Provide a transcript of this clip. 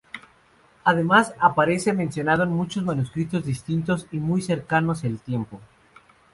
Además aparece mencionado en muchos manuscritos distintos y muy cercanos en el tiempo.